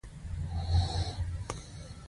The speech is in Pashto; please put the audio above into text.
د پسته دانه د وینې لپاره وکاروئ